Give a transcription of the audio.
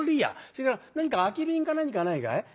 それから何か空き瓶か何かないかい？